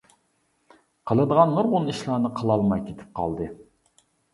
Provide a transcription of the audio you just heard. قىلىدىغان نۇرغۇن ئىشلارنى قىلالماي كېتىپ قالدى.